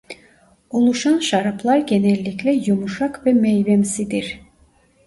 Oluşan şaraplar genellikle yumuşak ve meyvemsidir.